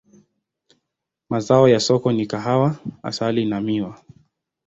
Mazao ya soko ni kahawa, asali na miwa.